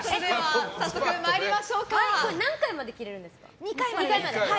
これ、何回まで切れるんですか。